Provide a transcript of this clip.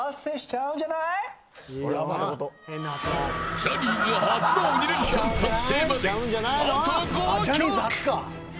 ジャニーズ初の鬼レンチャン達成まであと５曲。